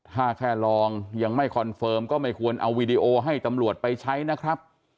ถ้าแค่ลองยังไม่คอนเฟิร์มก็ไม่ควรเอาวีดีโอให้ตำรวจไปใช้นะครับ